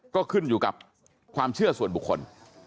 ก็ขึ้นอยู่กับความเชื่อส่วนบุคคล